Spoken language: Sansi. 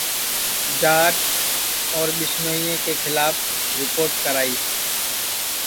جاٹ اور ٻسنوئیں کے کھلاپ رِپوٹ کرائی